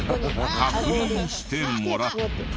確認してもらった。